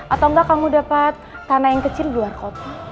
atau enggak kamu dapat tanah yang kecil di luar kota